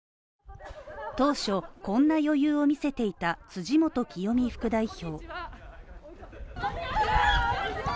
当初、こんな余裕を見せていた辻元清美副代表。